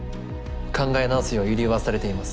考え直すよう慰留はされています。